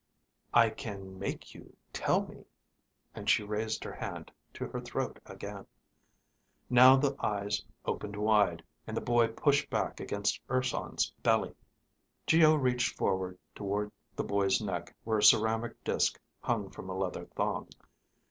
"I can make you tell me," and she raised her hand to her throat again. Now the eyes opened wide, and the boy pushed back against Urson's belly. Geo reached toward the boy's neck where a ceramic disk hung from a leather thong.